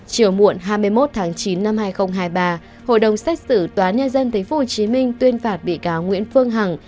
chiều muộn hai mươi một tháng chín năm hai nghìn hai mươi ba hội đồng xét xử toán nhà dân thế phủ hồ chí minh tuyên phạt bị cáo nguyễn phương hằng